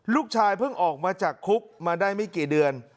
ลูกชายเพิ่งออกมาจากคุกมาได้ไม่กี่เดือน